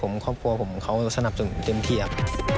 พ่อพ่อแม่ผมครอบครัวผมเขาสนับสนุนเต็มที่ครับ